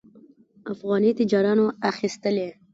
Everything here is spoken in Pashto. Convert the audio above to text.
افغاني تاجرانو اخیستلې.